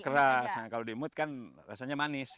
keras kalau dimut kan rasanya manis